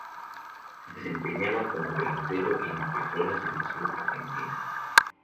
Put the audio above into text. Se desempeñaba como delantero e integró la Selección Argentina.